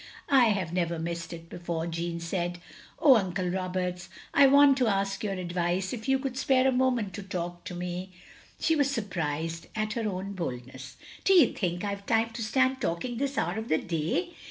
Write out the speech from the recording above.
" "I have never missed it before," Jeanne said. " Oh, Uncle Roberts, I want to ask your advice — if you could spare a moment to talk to me." She was surprised at her own boldness. " D *ye think I 've time to stand talking this hour of the day?"